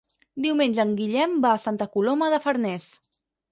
Diumenge en Guillem va a Santa Coloma de Farners.